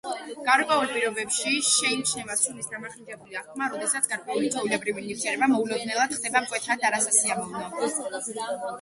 გარკვეულ პირობებში შეიმჩნევა სუნის დამახინჯებული აღქმა, როდესაც გარკვეული, ჩვეულებრივი ნივთიერება მოულოდნელად ხდება მკვეთრად არასასიამოვნო.